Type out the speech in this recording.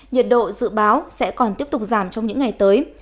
nhiệt độ dự báo sẽ còn tiếp tục giảm trong những ngày tới